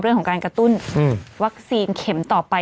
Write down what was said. เรื่องของการกระตุ้นวัคซีนเข็มต่อไป